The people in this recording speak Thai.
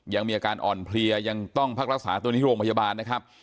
ยังมีอาการอ่อนเพลียยังต้องพักรักษาตัวที่โรงพยาบาลนะครับ